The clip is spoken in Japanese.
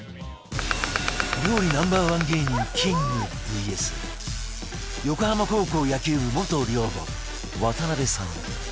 料理 Ｎｏ．１ 芸人キング ＶＳ 横浜高校野球部元寮母渡邊さん